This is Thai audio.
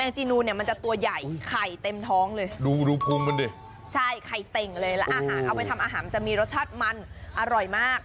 จีนูเนี่ยมันจะตัวใหญ่ไข่เต็มท้องเลยดูพุงมันดิใช่ไข่เต่งเลยแล้วอาหารเอาไปทำอาหารจะมีรสชาติมันอร่อยมาก